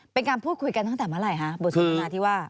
เป็นการพูดคุยกันตั้งแต่เมื่อไหร่คะบทสนทนาที่ว่า